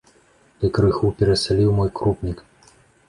Ты крыху перасаліў мой крупнік.